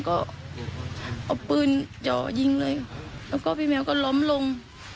ก็เอาปืนเจาะยิงเลยแล้วก็พี่แมวก็ล้มลง